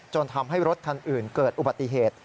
ทำให้รถคันอื่นเกิดอุบัติเหตุ